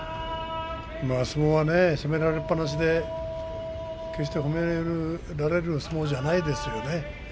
相撲は攻められっぱなしで決して褒められるような相撲じゃないですよね。